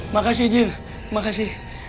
makasih jin makasih